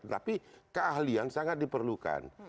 tapi keahlian sangat diperlukan